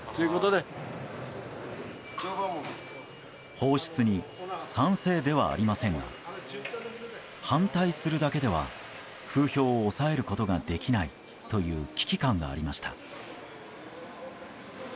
放出に賛成ではありませんが反対するだけでは風評を抑えることができないという危機感がありました。